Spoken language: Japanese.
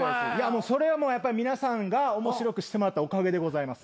それはやっぱり皆さんが面白くしてもらったおかげでございます。